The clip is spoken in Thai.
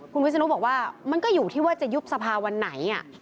คุณวิศนุบอกว่ามันก็อยู่ที่ว่าจะยุบสภาวันไหน